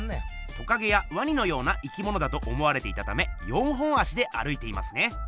トカゲやワニのような生きものだと思われていたため４本足で歩いていますね。